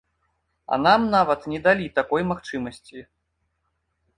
А нам нават не далі такой магчымасці.